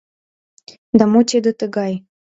— Да мо тиде тыгай!